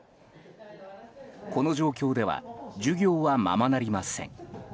この状況では授業はままなりません。